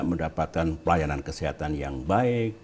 mendapatkan pelayanan kesehatan yang baik